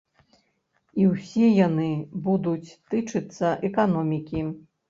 І ўсе яны будуць тычыцца эканомікі.